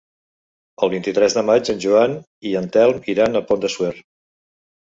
El vint-i-tres de maig en Joan i en Telm iran al Pont de Suert.